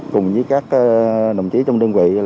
cùng với các đồng chí trong đơn vị